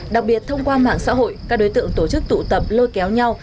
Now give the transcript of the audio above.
đặc biệt thông qua mạng xã hội các đối tượng tổ chức tụ tập lôi kéo nhau